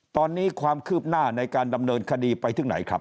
ตอนนี้ความคืบหน้าในการดำเนินคดีไปถึงไหนครับ